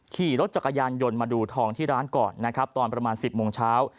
ขี่รถจักรยานหย่นมาดูทองที่ร้านก่อนประมาณสิบโมงเช้า